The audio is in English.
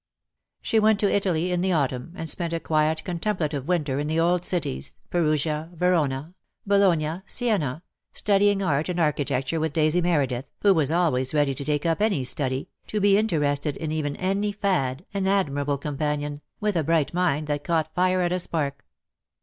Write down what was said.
She went to Italy in the autumn, and spent a quiet contemplative winter in the old cities, Perugia, Verona, Bologna, Siena, studying art and archi tecture with Daisy Meredith, who was always ready to take up any study, to be interested in even any fad, an admirable companion, with a bright mind that caught fire at a spark.